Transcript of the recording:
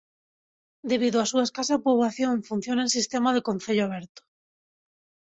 Debido á súa escasa poboación funciona en sistema de concello aberto.